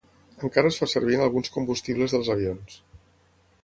Encara es fa servir en alguns combustibles dels avions.